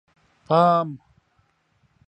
_پام!!!